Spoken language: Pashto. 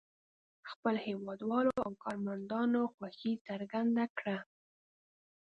خپلو هېوادوالو او کارمندانو خوښي څرګنده کړه.